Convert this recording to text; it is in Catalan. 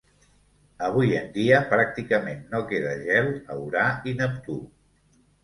Avui en dia, pràcticament no queda gel a Urà i Neptú.